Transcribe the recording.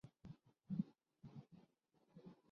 فی البدیہہ بولتے ہیں۔